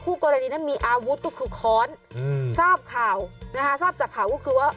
กรณีนั้นมีอาวุธก็คือค้อนอืมทราบข่าวนะคะทราบจากข่าวก็คือว่า